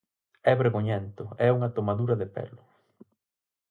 É vergoñento, é unha tomadura de pelo.